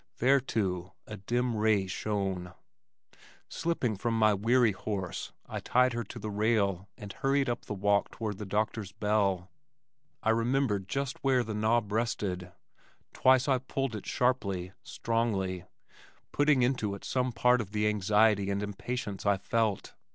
There too a dim ray shone. Slipping from my weary horse I tied her to the rail and hurried up the walk toward the doctor's bell. I remembered just where the knob rested. Twice I pulled sharply, strongly, putting into it some part of the anxiety and impatience I felt.